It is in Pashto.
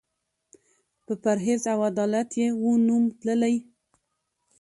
په پرهېز او عدالت یې وو نوم تللی